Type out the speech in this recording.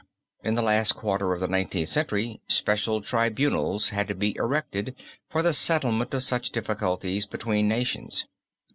In the last quarter of the Nineteenth Century special tribunals had to be erected for the settlement of such difficulties between nations.